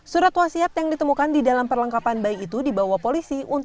surat wasiat yang ditemukan di depan rumah kepala rukun tetangga di wilayah tersebut